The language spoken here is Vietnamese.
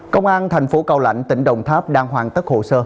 công an thành phố cao lãnh tỉnh đồng tháp đang hoàn tất hồ sơ